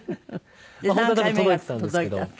本当は多分届いてたんですけど。